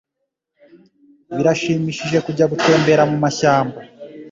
Birashimishije kujya gutembera mumashyamba.